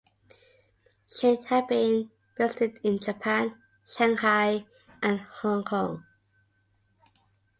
He had been resident in Japan, Shanghai, and Hong Kong.